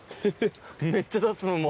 めっちゃ出すのうまい。